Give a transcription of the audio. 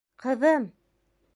Ҡыҙым!